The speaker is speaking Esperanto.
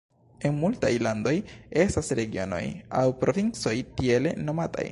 En multaj landoj estas regionoj aŭ provincoj tiele nomataj.